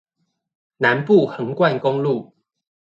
南部橫貫公路